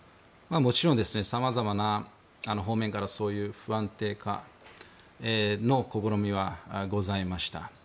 もちろんさまざまな方面からそういう不安定化の試みはございました。